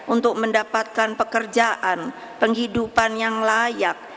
untuk mendapatkan pekerjaan penghidupan yang layak